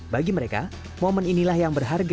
bagi mereka momen inilah yang berharga